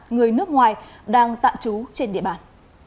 người nước ngoài đang tạm trú trên địa bàn